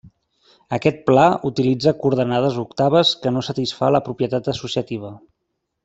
Aquest pla utilitza coordenades octaves que no satisfà la propietat associativa.